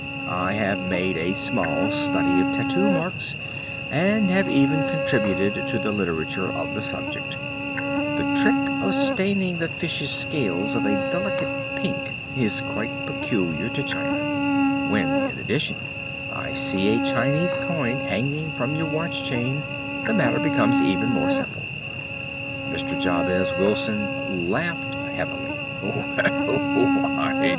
I have made a small study of tattoo marks and have even contributed to the literature of the subject. That trick of staining the fishes' scales of a delicate pink is quite peculiar to China. When, in addition, I see a Chinese coin hanging from your watch chain, the matter becomes even more simple." Mr. Jabez Wilson laughed heavily.